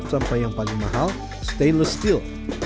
sampai yang paling mahal stainless steel